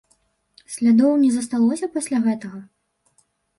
Слядоў не засталося пасля гэтага?